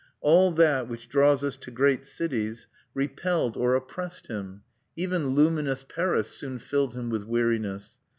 All that which draws us to great cities repelled or oppressed him; even luminous Paris soon filled him with weariness.